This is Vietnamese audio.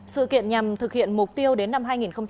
sự kiện nhằm thực hiện mục tiêu đến năm hai nghìn hai mươi